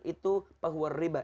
itu pahuar riba